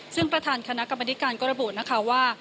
ซึ่งประธานคณะกรรมนิการก็ระบุนะคะว่า